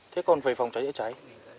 thế còn vầy phòng cháy đã cháy